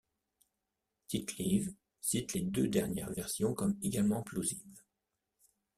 Tite-Live cite les deux dernières versions comme également plausibles.